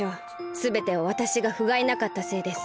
すべてはわたしがふがいなかったせいです。